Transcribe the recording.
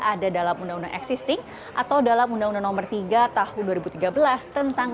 ada dalam undang undang existing atau dalam undang undang nomor tiga tahun dua ribu tiga belas tentang